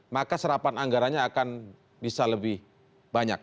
maka serapan anggaranya akan bisa lebih banyak